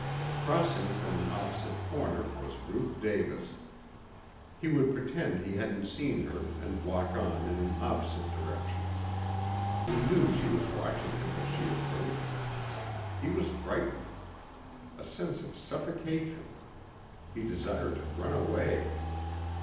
Crossing from an opposite corner was Ruth Davis. He would pretend he hadn't seen her and walk on in an opposite direction. He knew she was watching him as she approached. He was frightened. A sense of suffocation. He desired to run away.